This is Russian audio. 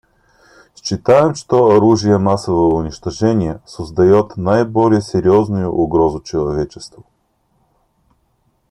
Считаем, что оружие массового уничтожения создает наиболее серьезную угрозу человечеству.